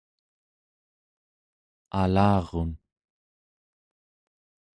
alarun